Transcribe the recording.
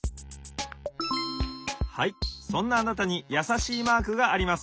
・はいそんなあなたにやさしいマークがあります。